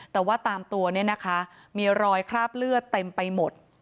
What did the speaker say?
แต่ว่าตามตัวเนี่ยนะคะมีรอยคราบเลือดเต็มไปหมด